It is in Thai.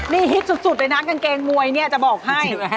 นี่ฮิตสุดเลยนะกางเกงมวยเนี่ยจะบอกให้